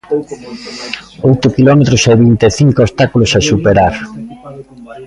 Oito quilómetros e vinte e cinco obstáculos a superar.